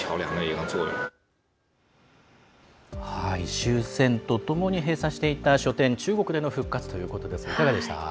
終戦とともに閉鎖していた書店、中国での復活ということですがいかがですか？